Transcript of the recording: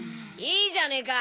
いいじゃねえか。